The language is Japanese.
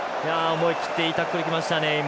思い切っていいタックルにいきましたね。